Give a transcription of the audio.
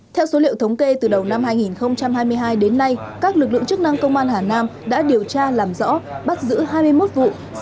theo số liệu thống kê từ đầu năm hai nghìn hai mươi hai đến nay các lực lượng chức năng công an hà nam đã điều tra làm rõ bắt giữ hai mươi một vụ